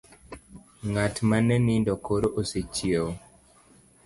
Ng'at mane nindo koro osechiewo.